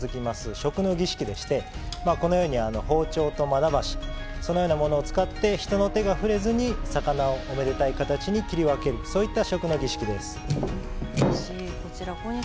食の儀式でしてこのように包丁とまな箸そのようなものを使って人の手が触れずに魚をおめでたい形に切り分けるそういった食の儀式です。